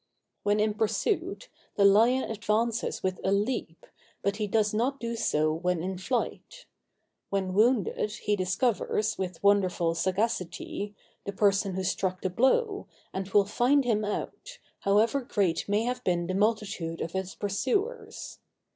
When in pursuit, the lion advances with a leap, but he does not do so when in flight. When wounded, he discovers, with wonderful sagacity, the person who struck the blow, and will find him out, however great may have been the multitude of his pursuers.